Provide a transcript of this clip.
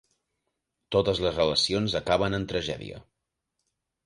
Totes les relacions acaben en tragèdia.